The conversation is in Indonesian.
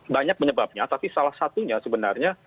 banyak penyebabnya tapi salah satunya sebenarnya